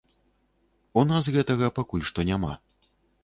У нас гэтага пакуль што няма.